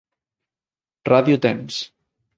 Radio Dance".